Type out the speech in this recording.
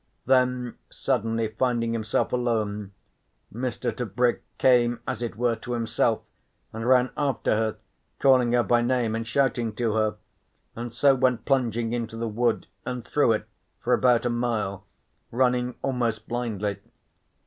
Then, suddenly finding himself alone, Mr. Tebrick came as it were to himself and ran after her, calling her by name and shouting to her, and so went plunging into the wood, and through it for about a mile, running almost blindly.